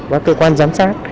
và cơ quan giám sát